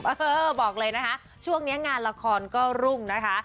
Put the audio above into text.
เออบอกเลยนะคะช่วงนี้งานละครก็รุ่งนะคะ